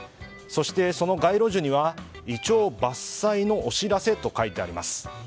そしてその街路樹にはイチョウ伐採のお知らせと書いてあります。